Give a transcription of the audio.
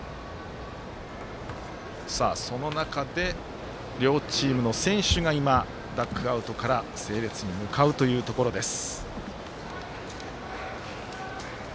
その中で両チームの選手が今、ダグアウトから整列に向かうところです。